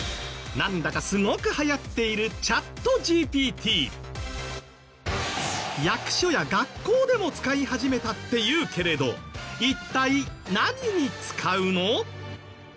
なんだかすごく流行っている役所や学校でも使い始めたっていうけれど一体何に使うの？